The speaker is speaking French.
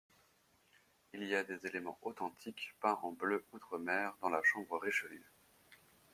Il y a des éléments authentiques, peints en bleu outremer, dans la chambre Richelieu.